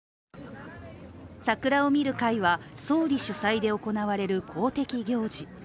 桜を見る会は総理主催で行われる公的行事。